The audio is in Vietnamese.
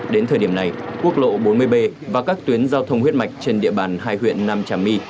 đến thời điểm này quốc lộ bốn mươi b và các tuyến giao thông huyết mạch trên địa bàn hai huyện nam trà my